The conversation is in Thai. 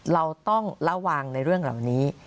เราต้องระวังในเรื่องเหล่านี้